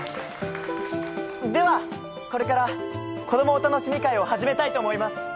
ではこれから「こどもおたのしみ会」を始めたいと思います。